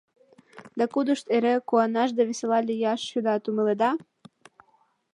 — Да, кудышт эреак куанаш да весела лияш шӱдат, умыледа?